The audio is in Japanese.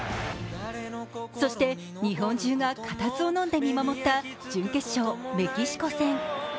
そして日本中が固唾をのんで見守った準決勝・メキシコ戦。